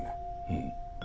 うん。